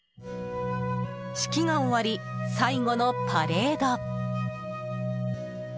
式が終わり、最後のパレード。